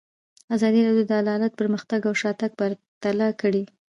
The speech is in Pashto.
ازادي راډیو د عدالت پرمختګ او شاتګ پرتله کړی.